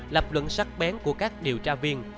lập luận sắc bén của các điều tra viên